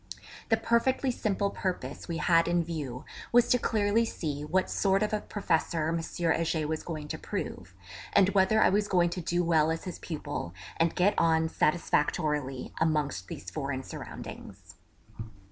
The perfectly simple purpose we had in view was to see clearly what sort of a Professor M. Heger was going to prove, and whether I was going to do well as his pupil, and get on satisfactorily, amongst these foreign surroundings.